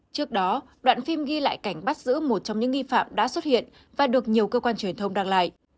trước đó đoạn phim ghi lại cảnh bắt giữ một trong những nghi phạm đã xuất hiện và được nhiều cơ quan truyền thông đăng lại